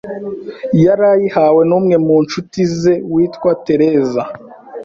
yarayihawe n’umwe mu nshuti ze witwa Tereza.